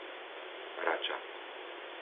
Rača